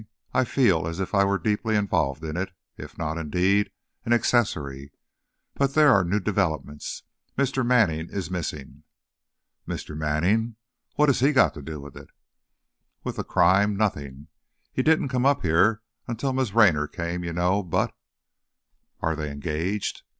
I feel as if I were deeply involved in it, if not indeed, an accessory! But there are new developments. Mr. Manning is missing." "Mr. Manning? What has he got to do with it?" "With the crime? Nothing. He didn't come up here until Miss Raynor came, you know. But " "Are they engaged?"